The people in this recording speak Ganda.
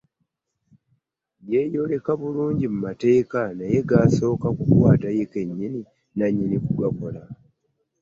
Yeeyoleka bulungi mu mateeka naye gasooka ku kwata ye kenyini nanyini kugakola.